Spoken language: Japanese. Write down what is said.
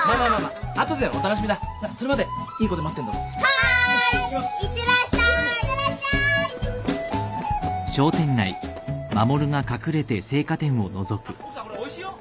あっ奥さんこれおいしいよ。